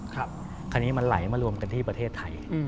คราวนี้มันไหลมารวมกันที่ประเทศไทย